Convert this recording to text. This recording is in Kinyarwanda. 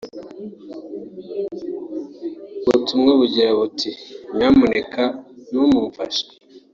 ubutumwa bugira buti “ Nyamuneka nimumfashe